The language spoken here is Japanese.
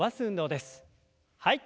はい。